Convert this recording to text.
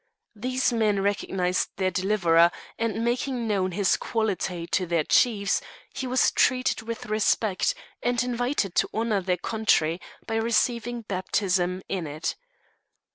These men recognized their deliverer, and making known his quality to their chiefs, he was treated with respect, and invited to honour their country by receiving baptism in it.